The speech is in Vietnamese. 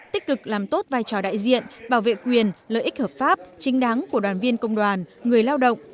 tích cực làm tốt vai trò đại diện bảo vệ quyền lợi ích hợp pháp chính đáng của đoàn viên công đoàn người lao động